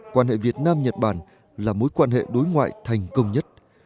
quan hệ việt nam nhật bản là mối quan hệ đối ngoại thành công nhất